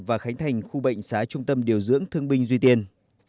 và khánh thành khu bệnh xá trung tâm điều dưỡng thương binh duy tiên